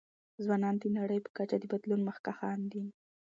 ځوانان د نړۍ په کچه د بدلون مخکښان دي.